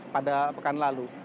pada pekan lalu